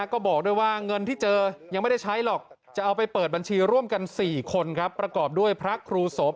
ก็บอกด้วยว่าเงินที่เจอยังไม่ได้ใช้หรอก